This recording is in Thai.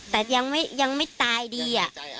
แต่ยังไม่ตายดี